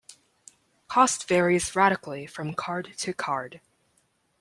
Cost varies radically from card to card.